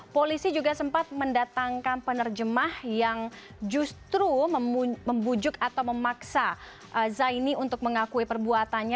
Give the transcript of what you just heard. polisi juga sempat mendatangkan penerjemah yang justru membujuk atau memaksa zaini untuk mengakui perbuatannya